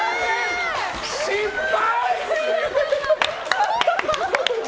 失敗！